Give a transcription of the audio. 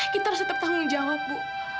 kita harus tetap tanggung jawab bu